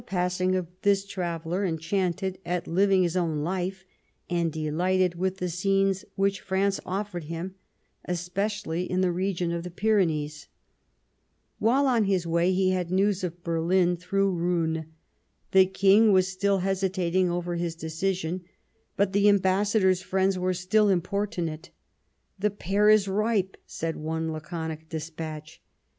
passing of this traveller, enchanted at living his own life, and delighted with the scenes which France offered him, especially in the region of the Pyrenees, While on his way he had news of Berlin through Roon : the King was still hesitating over his decision, but the Ambassador's friends were still importunate. " The pear is ripe," said one laconic despatch.